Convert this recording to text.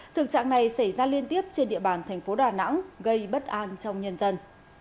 thực trạng này xảy ra liên tiếp trên địa bàn thành phố đà nẵng gây bất an trong nhân dân